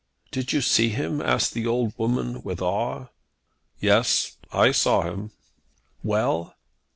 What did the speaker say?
"Did you see him?" asked the old woman with awe. "Yes; I saw him." "Well!"